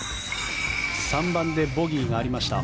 ３番でボギーがありました。